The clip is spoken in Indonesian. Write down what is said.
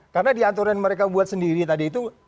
karena di aturan yang mereka buat sendiri tadi itu